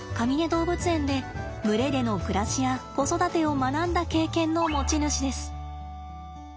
動物園で群れでの暮らしや子育てを学んだ経験の持ち主です。